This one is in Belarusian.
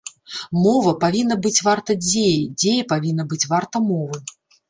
Мова павінна быць варта дзеі, дзея павінна быць варта мовы.